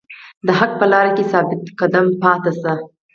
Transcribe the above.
د حق په لاره کې ثابت قدم پاتې شئ.